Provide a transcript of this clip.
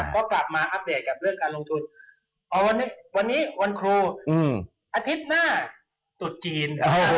ก็กลับมาอัปเดตกับเรื่องการลงทุนวันนี้วันครูอาทิตย์หน้าตุดจีนครับ